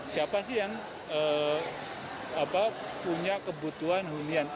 siapa sih yang punya kebutuhan hunian